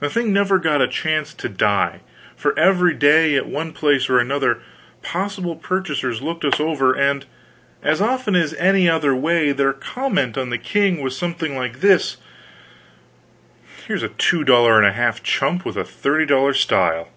The thing never got a chance to die, for every day, at one place or another, possible purchasers looked us over, and, as often as any other way, their comment on the king was something like this: "Here's a two dollar and a half chump with a thirty dollar style.